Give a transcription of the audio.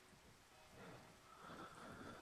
Escribe el libro "La obra de Salvador Soria".